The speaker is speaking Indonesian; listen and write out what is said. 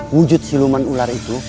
wujud siluman ular itu